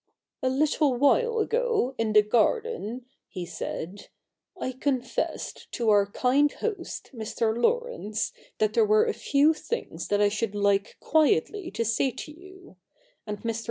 240 THE NEW REPUBLIC [bk. v ' A little while ago, in the garden,' he said, ' I confessed to our kind host, Mr. Laurence, that there were a few things that I should like quietly to say to you ; and Air.